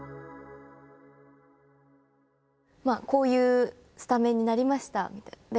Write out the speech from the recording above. まあこういうスタメンになりました。